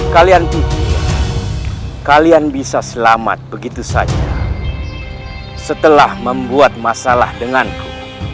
kalian pikir kalian bisa selamat begitu saja setelah membuat masalah denganku